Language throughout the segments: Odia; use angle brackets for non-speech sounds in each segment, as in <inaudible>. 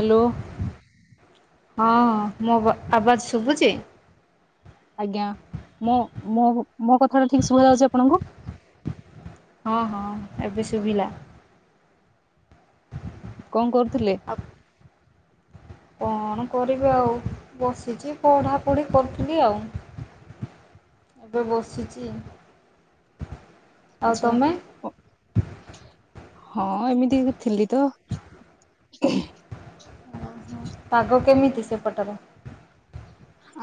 ହାଲୋ। ହଁଁ, ମୁଁ ବ ଆବାଜ୍ ଶୁଭୁଛି। ଆଜ୍ଞା ମୋ, ମୋ, ମୋ କଥା ଟା ଠିକ୍ ସୁଭାଯାଉଛି ଆପଣଙ୍କୁ? ହଁ, ହଁ ଏବେ ଶୁଭିଲା। କଣ କରୁଥିଲେ? ଅପ୍ କଣ କରିବି ଆଉ ବସିଛି ପଢାପଢି କରୁଥିଲି ଆଉ। ଏବେ ବସିଚି। ଆଚ୍ଛା, ହଁ ଏମିତି ଏତି ଥିଲି ତ। ପାଗ କେମିତି ସେପଟର?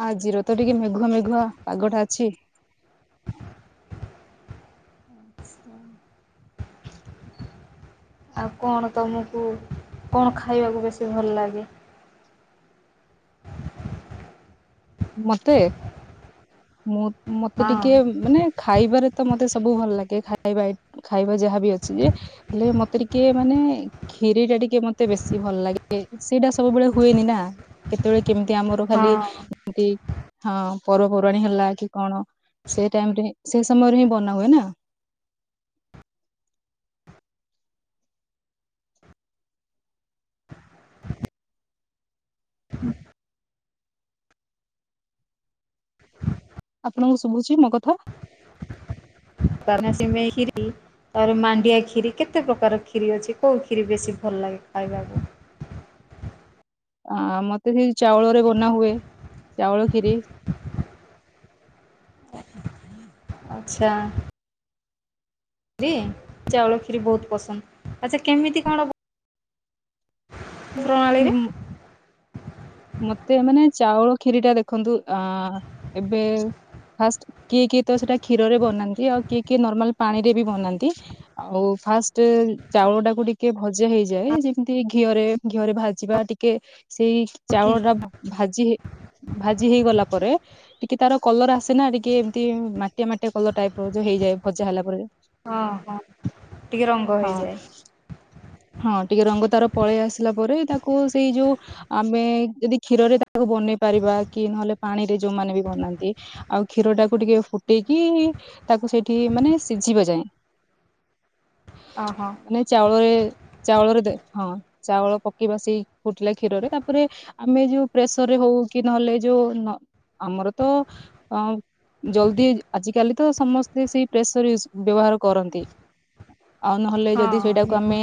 ଆଜିର ତ ଟିକେ ମେଘୁଆ ମେଘୁଆ ପାଗଟା ଅଛି। ଆଉ କଣ ତମକୁ, କଣ ଖାଇବାକୁ ବେଶୀ ଭଲ ଲାଗେ? ମତେ, ମୁଁ ମତେ ହଁ ଟିକେ ମାନେ ଖାଇବାରେ ତ ମତେ ସବୁ ଭଲ ଲାଗେ, ଖାଇବା ଖାଇବା ଯାହାବି ଅଛି ଯେ। ହେଲେ ମତେ ଟିକେ ମାନେ ଖିରୀ ଟା ଟିକେ ମତେ ବେଶୀ ଭଲ ଲାଗେ, ସେଇଟା ସବୁବେଳେ ହୁଏନି ନା, କେତେବେଳେ କେମିତି ଆମର ଖାଲି ହଁ ଏମିତି, ହଁ ପର୍ବପର୍ବାଣୀ ହେଲା କି କଣ? ସେ ଟାଇମ୍ ରେ ହିଁ, ସେ ସମୟରେ ବି ବନା ହୁଏ ନା? ଆପଣଙ୍କୁ ଶୁଭୁଛି ମୋ କଥା? <unintelligible> ସିମେଇ କିରି ତାପରେ ମାଣ୍ଡିଆ ଖିରୀ କେତେ ପ୍ରକାର ଖିରୀ ଅଛି, କୋଉ ଖିରୀ ବେଶୀ ଭଲ ଲାଗେ ଖାଇବାକୁ? ଆଁ ମତେ ସେଇ ଚାଉଳରେ ବନା ହୁଏ, ଚାଉଳ କ୍ଷୀରି। ଆଚ୍ଛା। ଦିଏ, ଚାଉଳ କ୍ଷୀରି ବହୁତ ପସନ୍ଦ, ଆଚ୍ଛା କେମିତି କଣ? ପ୍ରଣାଳୀରେ। ମତେ ମାନେ ଚାଉଳ ଖିରୀ ଟା ଦେଖନ୍ତୁ ଆଁ ଏବେ ଫାଷ୍ଟ କିଏ କିଏ ତ ସେଇଟା କ୍ଷୀରରେ ବନାନ୍ତି ଆଉ କିଏ କିଏ ନର୍ମାଲ ପାଣି ରେ ବି ବନାନ୍ତି। ଆଉ ଫାଷ୍ଟ ଚାଉଳ ଟାକୁ ଟିକେ ଭଜା ହେଇଯାଏ, ଯେମିତି ଘିଅରେ ଘିଅରେ ଭାଜିବା ଟିକେ ସେଇ କି ଚାଉଳ ଟା ଭାଜି ହେ ଭାଜି ହେଇଗଲା ପରେ ଟିକେ ତାର କଲର ଆସେ ନା ଟିକେ ଏମତି ମାଟିଆ ମାଟିଆ କଲର ଟାଇପ୍ ର ଯୋଉ ହେଇଯାଏ, ଭଜା ହେଲା ପରେ। ହଁ, ହଁ ଟିକେ ରଙ୍ଗ ହଁ ହେଇଯାଏ। ହଁ ଟିକେ ରଙ୍ଗ ତାର ପଳେଇ ଆସିଲା ପରେ ତାକୁ ସେଇ ଯୋଉ ଆମେ ଯଦି କ୍ଷୀରରେ ତାକୁ ବନେଇ ପାରିବା କି ନହେଲେ ପାଣିରେ ଯୋଉମାନେ ବି ବନାନ୍ତି। ଆଉ କ୍ଷୀର ଟାକୁ ଟିକେ ଫୁଟେଇକି ତାକୁ ସେଇଠି ମାନେ ସିଜିବା ଯାଏଁ। ଅ, ହଁ। ନାଇ ଚାଉଳରେ ଚାଉଳରେ ଦେ ହଁ ଚାଉଳ ପକେଇବା ସେଇ ଫୁଟିଲା କ୍ଷୀରରେ ତାପରେ ଆମେ ଯୋଉ ପ୍ରେସର ରେ ହଉ କି ନହେଲେ ଯୋ ନ ଆମର ତ ଅଁ ଜଲ୍ଦି ଆଜିକାଲି ତ ସମସ୍ତେ ସେଇ ପ୍ରେସର ୟୁଜ୍ ବ୍ୟବହାର କରନ୍ତି। ଆଉ ନହେଲେ ହଁ ଯଦି ସେଇଟାକୁ ନିହାତି ଆମେ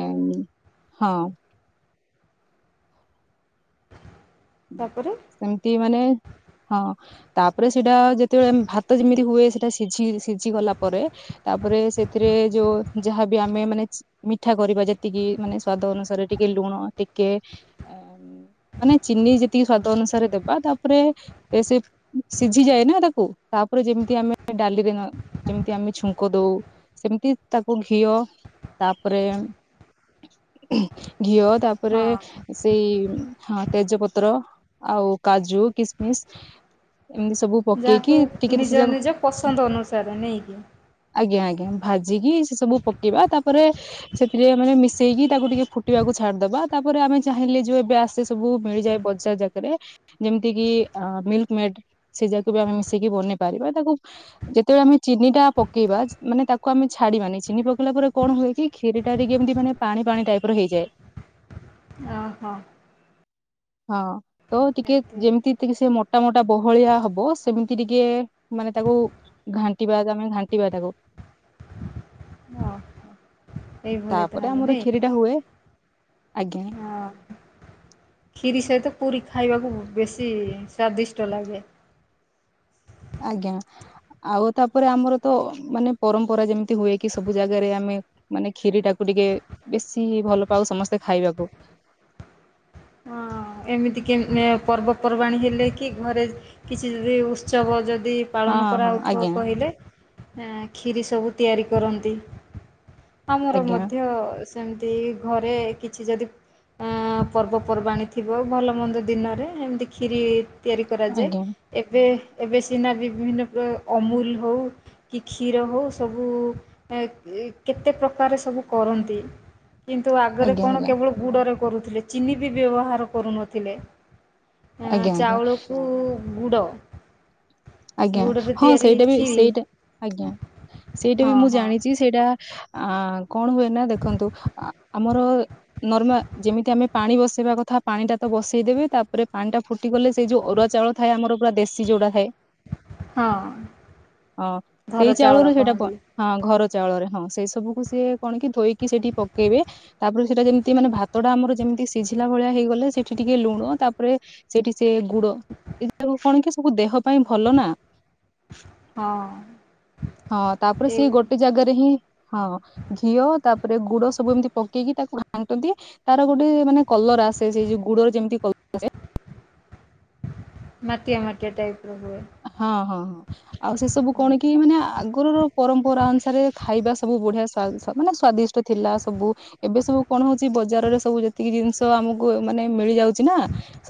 ଏମ୍ ହଁ। ତାପରେ। ସେମ୍ତି ମାନେ ହଁ ତାପରେ ସେଇଟା ଯେତେବେଳେ ଭାତ ଯେମିତି ହୁଏ ସେଟା ସିଝି ସିଝିଗଲା ପରେ ତାପରେ ସେଥିରେ ଯୋଉ ଯାହାବି ଆମେ ମାନେ ମିଠା କରିବା ଯେତିକି ମାନେ ସ୍ଵାଦ ଅନୁସାରେ ଟିକେ ଲୁଣ ଟିକେ ଏଁ ଚିନି ଯେତିକି ସ୍ଵାଦ ଅନୁସାରେ ଦେବା ତାପରେ ଏ ସେ ସିଝିଯାଏ ନା ତାକୁ ତାପରେ ଯେମିତି ଆମେ ଡାଲିରେ ନ ଯେମିତି ଆମେ ଛୁଙ୍କ ଦଉ ସେମିତି ତାକୁ ଘିଅ ତାପରେ ଘିଅ ତାପରେ ହଁ ସେଇ ହଁ ତେଜପତ୍ର ଆଉ କାଜୁ, କିସମିସ୍ ଏମ୍ତି ସବୁ ପକେଇକି ଯାହାକୁ ଟିକେ ସେ ନିଜ ଯାକ ନିଜ ପସନ୍ଦ ଅନୁସାରେ ନେଇକି। ଆଜ୍ଞା ଆଜ୍ଞା ଭାଜିକି ସେ ସବୁ ପକେଇବା ତାପରେ ସେଥିରେ ମାନେ ମିଶେଇକି ତାକୁ ଟିକେ ଫୁଟିବାକୁ ଛାଡିଦବା ତାପରେ ଆମେ ଚାହିଁଲେ ଯୋଉ ଏବେ ଆସେ ସବୁ ମିଳିଯାଏ ବଜାର ଜାଗାରେ ଯେମିତି କି ଆଁ ମିଲ୍କ୍ ମେଡ୍ ସେ ଯାକୁ ବି ଆମେ ମିଶେଇକି ବନେଇ ପାରିବା ତାକୁ ଯେତେବେଳେ ଆମେ ଚିନି ଟା ପକେଇବା ମାନେ ତାକୁ ଆମେ ଛାଡିବାନି ଚିନି ପକେଇଲା ପରେ କଣ ହୁଏ କି କ୍ଷୀରୀ ଟା ଟିକେ ଏମ୍ତି ମାନେ ପାଣି ପାଣି ଟାଇପ୍ ର ହେଇଯାଏ। ଅଁ ହଁ। ହଁ ତ ଟିକେ ନିହାତି ଯେମ୍ତି ତିକି ସେ ମୋଟା ମୋଟା ବହଳିଆ ହବ ସେମିତି ଟିକେ ମାନେ ତାକୁ ଘାଣ୍ଟିିବା ତାମେ ଘାଣ୍ଟିିବା ତାକୁ। ଅ ହ। ତାପରେ ଆମର କ୍ଷିରୀ ଟା ହୁଏ ଆଜ୍ଞା। ହଁ କ୍ଷୀରି ସହିତ ପୁରୀ ଖାଇବାକୁ ବେଶୀ ସ୍ଵାଦିଷ୍ଟ ଲାଗେ। ଆଜ୍ଞା। ଆଉ ତାପରେ ଆମର ତ ମାନେ ପରମ୍ପରା ଯେମିତି ହୁଏ କି ସବୁ ଜାଗାରେ ଆମେ ମାନେ କ୍ଷିରୀ ଟାକୁ ଟିକେ ବେଶୀ ଭଲ ପାଉ ସମସ୍ତେ ଖାଇବାକୁ। ହଁ ଏମିତି କେ <unintelligible> ଏ ପର୍ବ ପର୍ବାଣୀ ହେଲେ କି ଘରେ କିଛି ଯଦି ଉତ୍ସବ ଯଦି ହଁ ପାଳନ ହଁ କରାହେଉଥିବ ଆଜ୍ଞା କହିଲେ ଏଁ କ୍ଷିରୀ ସବୁ ତିଆରି କରନ୍ତି। ଆମର ଆଜ୍ଞା ମଧ୍ୟ ସେମ୍ତି ଘରେ କିଛି ଯଦି ଅଁ ପର୍ବ ପର୍ବାଣି ଥିବ ଭଲ ମନ୍ଦ ଦିନରେ ଏମିତି କ୍ଷିରୀ ତିଆରି କରାଯାଏ। ଆଜ୍ଞା ଏବେ ଏବେ ସିନା ବି ବିଭିନ୍ନ ପ୍ର ଅମୁଲ୍ ହଉ କି କ୍ଷୀର ହେଉ ସବୁ ଏ କେତେ ପ୍ରକାର ସବୁ କରନ୍ତି କିନ୍ତୁ ଆଗରେ ଆଜ୍ଞା କଣ ଆଜ୍ଞା କେବଳ ଗୁଡ଼ରେ କରୁଥିଲେ ଚିନି ବି ବ୍ୟବହାର କରୁନଥିଲେ। ଅଁ ଆଜ୍ଞା ଆଜ୍ଞା ଚାଉଳକୁ ଗୁଡ଼ ଆଜ୍ଞା ଗୁଡ଼ରେ ହଁ ତିଆରି ସେଇଟା ବି କ୍ଷୀରି ସେଇଟା ଆଜ୍ଞା ସେଇଟା ବି ହଁ ମୁଁ ହଁ ଜାଣିଚି ସେଇଟା ଆଁ କଣ ହୁଏ ନା ଦେଖନ୍ତୁ ଆ ଆମର ନର୍ମା ଯେମିତି ଆମେ ପାଣି ବସେଇବା କଥା ପାଣି ଟା ତ ବସେଇ ଦେବେ ତାପରେ ପାଣି ଟା ଫୁଟି ଗଲେ ସେ ଯୋଉ ଅରୁଆ ଚାଉଳଥାଏ ଆମର ପୁରା ଦେଶୀ ଯଉଟା ଥାଏ ହଁ। ଅଁ ଘର ସେଇ ଚାଉଳ ଚାଉଳରୁ ସେଇଟା ବଁ କହନ୍ତି ହଁ ଘର ଚାଉଳରେ ହଁ ସେଇ ସବୁକୁ ସିଏ କଣ କି ଧୋଇକି ସେଇଠି ପକେଇବେ। ତାପରେ ସେଇଟା ଯେମିତି ମାନେ ଭାତଟା ଆମର ଯେମିତି ସିଝିଲା ଭଳିଆ ହେଇଗଲେ ସେଠି ଟିକେ ଲୁଣ ତାପରେ ସେଠି ସେ ଗୁଡ ଏ ଯବୁ କଣ କି ସବୁ ଦେହ ପାଇଁ ଭଲ ନା। ହଁ। ହଁ ତାପରେ ସେ ଏ ଗୋଟେ ଜାଗାରେ ହିଁ ହଁ ଘିଅ ତାପରେ ଗୁଡ ସବୁ ଏମିତି ପକେଇକି ତାକୁ ଘାଟନ୍ତି। ତାର ଗୋଟେ ମାନେ କଲର ଆସେ ସେଇ ଯଉ ଗଡର ଯେମିତି କ ମାଟିଆ ମାଟିଆ ଟାଇପ ର ହୁଏ। ହଁ, ହଁ, ହଁ। ଆଉ ସେ ସବୁ କଣ କି ମାନେ ଆଗର ପରମ୍ପରା ଅନୁସାରେ ଖାଇବା ସବୁ ବଢିଆା ମାନେ ସ୍ଵାଦିଷ୍ଟ ଥିଲା। ସବୁ ଏବେ ସବୁ କଣ ହଉଛି ବଜାରରେ ସବୁ ଯେତିକି ଜିନିଷ ଆମକୁ ମାନେ ମିଳିଯାଉଛି ଛି ନା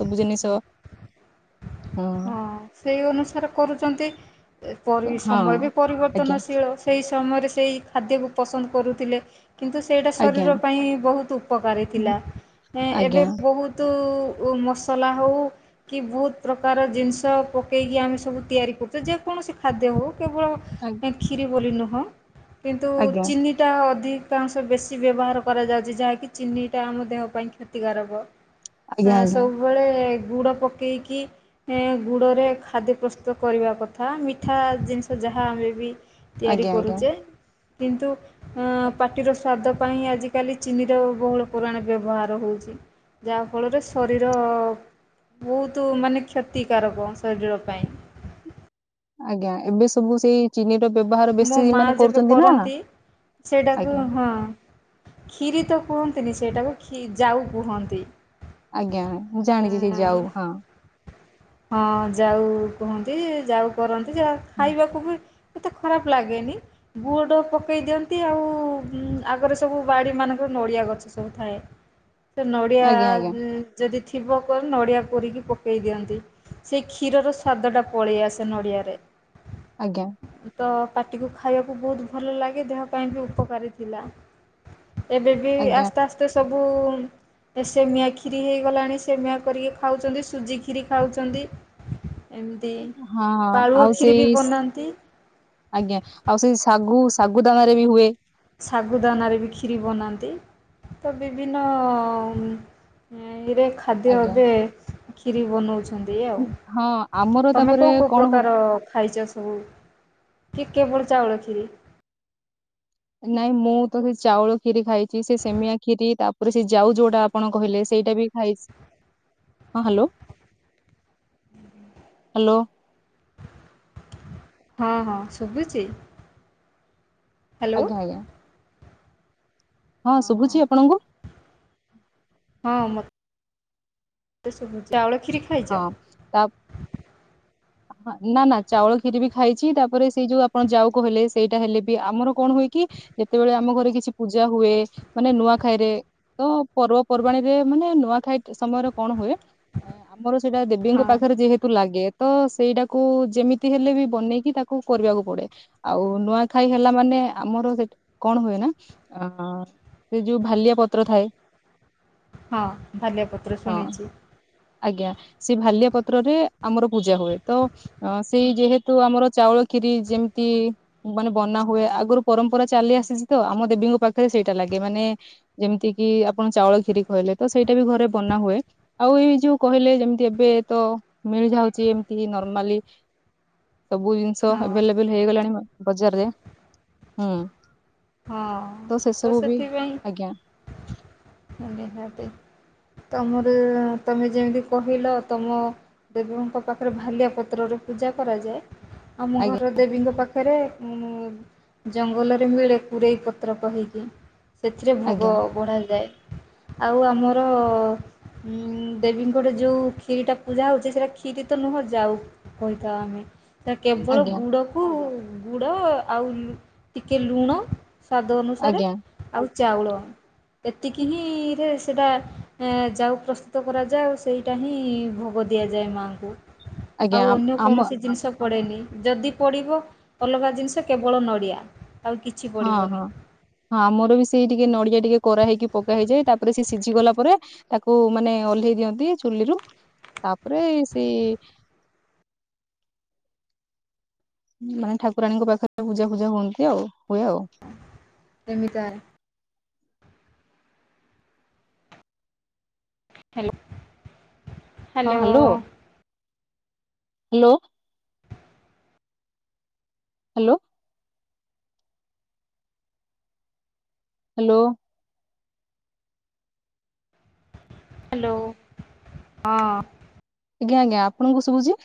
ସବୁ ଜିନିଷ। ହଁ ସେଇ ଅନୁସାରେ କରୁଛନ୍ତି। ପରି ହଁ ସମୟ ବି ଆଜ୍ଞା ପରିବର୍ତ୍ତନଶୀଳ। ସେହି ସମୟରେ ସେଇ ଖାଦ୍ୟକୁ ପସନ୍ଦ କରୁଥିଲେ। କିନ୍ତୁ ସେଇଟା ଆଜ୍ଞା ଶରୀର ପାଇଁ ବହୁତ ଉପକାରୀ ଥିଲା। ଏବେ ଆଜ୍ଞା ବହୁତ ତୁ ମସଲା ହଉ କି, ବହୁତ ପ୍ରକା କାର ଜିନିଷ ପକାଇକି ଆମେ ସବୁ ତିଆରି କରୁଛୁ। ଯେକୌଣସି ଖାଦ୍ୟ ହେଉ କେବଳ ଆଜ୍ଞା। ଖିରି ବୋଲି ନୁହଁ କିନ୍ତୁ ଚିନି ଆଜ୍ଞା ଚିନିଟା ଅଧିକାଂଶ ବେଶି ବ୍ୟବହାର କରାଯାଉଛି। ଯାହାକି ଚିନିଟା ଆମ ଦେହ ପାଇଁ କ୍ଷତିକାରକ। ଆଜ୍ଞା ଆଜ୍ଞା ସବୁବେଳେ ଗୁଡ଼ ପକେଇକି ଗୁଡ଼ରେ ଖାଦ୍ୟ ପ୍ରସ୍ତୁତ କରିବା କଥା, ମିଠା ଜିନିଷ ଯାହା ଆମେ ବି ତିଆରି ଆଜ୍ଞା କରୁଚେ କିନ୍ତୁ ଅ ପାଟିର ସ୍ଵାଦ ପାଇଁ ଆଜିକାଲି ଚିନିର ବହୁଳ ପୁରାଣ ବ୍ୟବହାର ହଉଛି। ଯାହାଫଳରେ ଶରୀର ବହୁତ ମାନେ କ୍ଷତି କ୍ଷତିକାରକ ଶରୀର ପାଇଁ। ଆଜ୍ଞା। ଏବେ ସବୁ ସେଇ ଚିନି ର ବ୍ୟବହାର ମୋ ବେଶୀ ମା ମାନେ ଯେବେ କରୁଛନ୍ତି ନା। କରନ୍ତି ଆଜ୍ଞା। ହଁ। ଖିରୀ ତ କୁହନ୍ତିନି ସେଇଟାକୁ ଯାଉ କୁହନ୍ତି। ଆଜ୍ଞା। ମୁଁ ଜାଣିଛି ସେ ଯାଉ ହଁ, ହଁ ଯାଉ କୁହନ୍ତି। ଯାଉ କରନ୍ତି, ଯାହା ଖାଇବାକୁ ବି ଏତେ ଖରାପ ଲାଗେନି। ଗୁଡ ପକେଇ ଦିଅନ୍ତି। ଆଉ ଆଗରେ ସବୁ ବାଡି ମାନଙ୍କର ନଡିଆ ଗଛ ସବୁ ଥାଏ। ହ ସେ ନଡ଼ିଆ ଯଦି ଥିବ ନଡିଆ କୋରିକି ପକେଇ ଦିଅନ୍ତି। ସେଇ କ୍ଷୀରର ସ୍ଵାଦ ଟା ପଳେଇ ଆସେ ନଡିଆରେ। ଆଜ୍ଞା। ତ ପାଟିକୁୁ ଖାଇବାକୁ ବହୁତ ଭଲ ଲାଗେ ଦେହ ପାଇଁ ବି ଉପକାରୀ ଥିଲା। ଏବେ ବି ଆଜ୍ଞା ଆସ୍ତେ ଆସ୍ତେ ମତେ ସବୁ ସେମିଆ କ୍ଷିରି ହେଇଗଲାଣି। ସେମିଆ କରିକି ଖାଉଛନ୍ତି ସୁଜି ଖିରି ଖାଉଛନ୍ତି। <unintelligible> ଏମିତି ହଁ ହଁ ପାଳୁଅ ଆଉ ଖିରୀ ବି ସେଇ ବନାନ୍ତି। ଆଜ୍ଞା ଆଉ ସେଇ ଶାଗୁ, ଶାଗୁ ଦାନାରେ ବି ହୁଏ। ଶାଗୁ ଦାନାରେ ବି ଖରି ବନାନ୍ତି। ତ ବିଭିନ୍ନ ଇରେ ଖାଦ୍ୟ ଆଜ୍ଞା ଏବେ ଖିରୀ ବନଉଚ। ଛନ୍ତି ଆଉ ହଁ ଆମର ତମେ ତାପରେ କୋଉ କୋଉ କଣ ହ ପ୍ରକାର ଖାଇଛ ସବୁ? କି କେବଳ ଚାଉଳ କ୍ଷୀରି। ନାଇଁ ମୁଁ ତ ସେ ଚାଉଳ ଖିରି ଖାଇଛି ସେ ସେମିଆ ଖିରି ତାପରେ ସେ ଯାଉ ଯୋଉଟା ଆପଣ କହିଲେ ସେଇଟା ବି ଖାଇଛି। ହଁ ହ୍ୟାଲୋ ହ୍ୟାଲୋ। ହଁ ହଁ ଶୁଭୁଛି। ହ୍ୟାଲୋ ଆଜ୍ଞା ଆଜ୍ଞା। ହଁ ଶୁଭୁଛି ଆପଣଙ୍କୁ? ହଁ ମୋ ମୋତେ ସୁଭୁଚି ଚାଉଳଖିରି ହଁ। ତା ନା ନା ଚାଉଳ ଖିରି ବି ଖାଇଛି ତାପରେ ସେଇ ଯୋଉ ଆପଣ ଯାଉ କହିଲେ ସେଇଟା ହେଲେ ବି ଆମର କଣ ହୁଏ କି? ଯେତେବେଳେ ଆମ ଘରେ କିଛି ପୂଜା ହୁଏ ମାନେ ନୂଆଖାଇରେ ତ ପର୍ବପର୍ବାଣୀରେ ମାନେ ନୂଆଖାଇ ସମୟରେ କଣ ହୁଏ? ଆମର ସେଇଟା ଦେବୀଙ୍କ ହଁ ପାଖରେ ଯେହେତୁ ଲାଗେ। ତ ସେଇଟାକୁ ଯେମିତି ହେଲେ ବି ବନେଇକି ତାକୁ କରିବାକୁ ପଡେ। ଆଉ ନୂଆଖାଇ ହେଲା ମାନେ ଆମର ସେ କଣ ହୁଏ ନା। ଅ ସେ ଯୋଉ ଭାଲିଆ ପତ୍ର ଥାଏ। ହଁ ଭାଲିଆ ପତ୍ର ହଁ ଶୁଣିଛି। ଆଜ୍ଞା ସେ ଭାଲିଆ ପତ୍ରରେ ଆମର ପୂଜା ହୁଏ ତ ସେଇ ଯେହେତୁ ଆମର ଚାଉଳ ଖିରି ଯେମିତି ମାନେ ବନା ହୁଏ ଆଗରୁ ପରମ୍ପରା ଚାଲି ଆସିଛି ତ ଆମ ଦେବୀଙ୍କ ପାଖରେ ସେଇଟା ଲାଗେ ମାନେ ଯେମିତି କିି ଆପଣ ଚାଉଳ ଖିରି କହିଲେ ତ ସେଇଟା ବି ଘରେ ବନା ହୁଏ ଆଉ ଏଇ ଯୋଉ କହିଲେ ଯେମତି ଏବେ ତ ମିଳିଯାଉଛି ଏମିତି ନର୍ମାଲି। ସବୁ ଜିନିଷ ହଁ ଏଭେଲେବଲ ହେଇଗଲାଣି ବଜାରରେ ହୁଁ। ହଁ ସେ ତ ସବୁ ବି ଆଜ୍ଞା ସେଥିପାଇଁ ନିହାତି ତମରି ତମେ ଯେମିତି କହିଲ ତମ ଦେବୀଙ୍କ ପାଖରେ ଭାଲିଆ ପତ୍ରରେ ପୂଜା କରାଯାଏ। ଆମ ଆଜ୍ଞା ଘର ଦେବୀଙ୍କ ପାଖରେ ଉ ଜଙ୍ଗଲରେ ମିଳେ। କୂରେଇ ପତ୍ରକ କାହିଁକି ସେଥିରେ ଭୋଗ ଆଜ୍ଞା ବଢ଼ାଯାଏ। ଆଉ ଆମର ଉଁ ଦେବୀଙ୍କ ଠି ଯୋଉ ଖିରି ଟା ପୂଜା ହଉଛି ସେଇଟା କ୍ଷୀରି ତ ନୁହଁ ଯାଉ। କହିଥାଉ ଆମେ। ତା କେବଳ ଆଜ୍ଞା ଗୁଡ଼କୁ ଗୁଡ଼ ଆଉ ଟିକେ ଲୁଣ। ସ୍ଵାଦ ଅନୁସାରେ ଆଜ୍ଞା ଆଉ ଚାଉଳ। ଏତିକି ହିଁରେ ସେଇଟା ଯାଉ ପ୍ରସ୍ତୁତ କରାଯାଏ ସେଇ ଟା ହିଁ ଭୋଗ ଦିଆଯାଏ ମାଙ୍କୁ ଆଉ ଆଜ୍ଞା ଅନ୍ୟ ଆମ କୌଣସି ଜିନିଷ ପଡ଼େନି ଯଦି ପଡ଼ିବ ଆଲଗା ଜିନିଷ କେବଳ ନଡ଼ିଆ ଆଉ କିଛି ହଁ ପଡ଼ିବନି ହଁ। ହଁ ଆମର ବି ସେଇ ଟିକେ ନଡିଆ ଟିକେ କରା ହେଇକି ପକା ହେଇଯାଏ ତାପରେ ସେ ସିଝି ଗଲା ପରେ ତାକୁ ମାନେ ଓହ୍ଲେଇ ଦିଅନ୍ତି ଚୁଲିରୁ ତାପରେ ସେଇ ମାନେ ଠାକୁରାଣୀଙ୍କ ପାଖରେ ପୂଜା ଫୁଜା ହୁଅନ୍ତି ଆଉ ହୁଏ ଆଉ। ଏମିତା hello hello. Hello. Hello. Hello hello ହଁ ଆଜ୍ଞା ଆ୍ଞା ଆପଣଙ୍କୁ ସୁବୁଚି